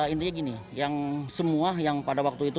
intinya gini yang semua yang pada waktu itu